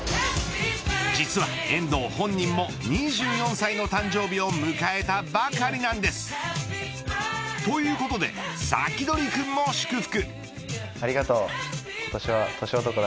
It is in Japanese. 実は遠藤本人も２４歳の誕生日を迎えたばかりなんです。ということでサキドリくんも祝福。